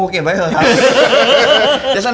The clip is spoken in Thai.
เก็บไว้เถอะครับ